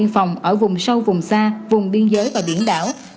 biên phòng ở vùng sâu vùng xa vùng biên giới và biển đảo